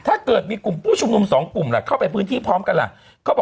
ถ้าเกิดมีกลุ่มผู้ชุมนุมสองกลุ่มล่ะเข้าไปพื้นที่พร้อมกันล่ะ